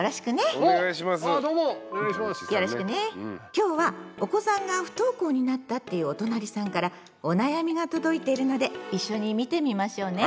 今日はお子さんが不登校になったっていうおとなりさんからお悩みが届いてるので一緒に見てみましょうね。